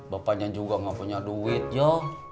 bapaknya juga gak punya duit yo